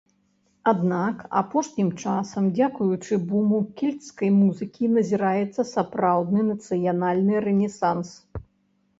Аднак апошнім часам дзякуючы буму кельцкай музыкі назіраецца сапраўдны нацыянальны рэнесанс.